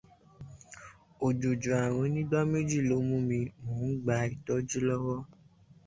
Òjòjò ààrùn onígbáméjì ló mú mi, mò ń gba ìtọ́jú lọ́wọ́.